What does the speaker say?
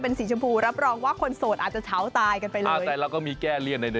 เราอยู่ที่อำเภอบ้านตะขุน